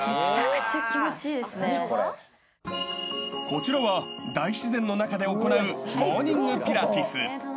［こちらは大自然の中で行うモーニングピラティス］